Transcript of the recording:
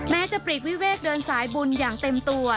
แม้จะปลีกวิเวกเดินสายบุญอย่างเต็มตัว